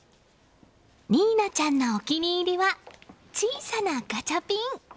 新奈ちゃんのお気に入りは小さなガチャピン。